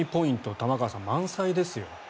玉川さん、満載ですよ。